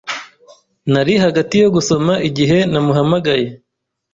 Nari hagati yo gusoma igihe namuhamagaye.